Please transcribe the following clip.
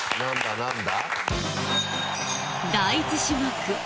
何だ？